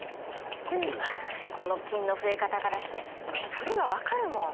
この菌の増え方からしてもうそれが分かるもん。